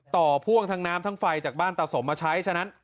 พ่วงทั้งน้ำทั้งไฟจากบ้านตาสมมาใช้ฉะนั้น